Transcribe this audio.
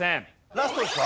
ラストですか？